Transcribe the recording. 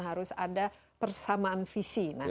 harus ada persamaan visi